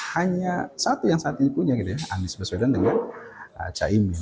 hanya satu yang saat ini punya gitu ya anies baswedan dengan caimin